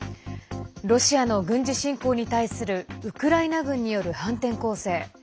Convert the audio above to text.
ロシアの軍事侵攻に対するウクライナ軍による反転攻勢。